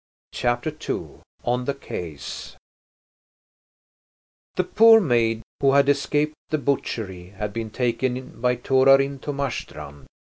CHAPTER II ON THE QUAYS The poor maid who had escaped the butchery had been taken by Torarin to Marstrand.